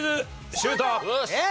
シュート！